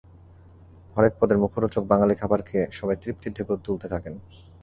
হরেক পদের মুখরোচক বাঙালি খাবার খেয়ে সবাই তৃপ্তির ঢেকুর তুলতে থাকেন।